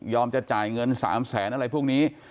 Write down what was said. ยอมจะจ่ายเงินสามแสนอะไรพวกนี้